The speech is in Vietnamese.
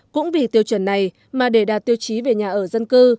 cũng vì tiêu chuẩn này mà để đạt tiêu chí về nhà ở dân cư